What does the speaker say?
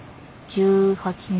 １８年？